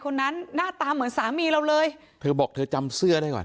คนนั้นหน้าตาเหมือนสามีเราเลยเธอบอกเธอจำเสื้อได้ก่อน